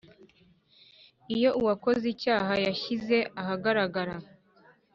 Iyo uwakoze icyaha yashyize ahagaragara